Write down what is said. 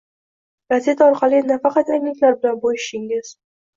Gazeta orqali nafaqat yangiliklar bilan bo‘lishishingiz